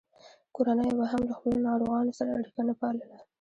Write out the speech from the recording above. کورنیو به هم له خپلو ناروغانو سره اړیکه نه پاللـه.